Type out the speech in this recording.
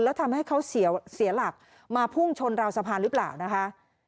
แล้วทำให้เขาเสียหลักมาพุ่งชนราวสะพานหรือเปล่านะคะ